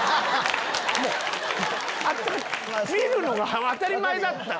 見るのが当たり前だった。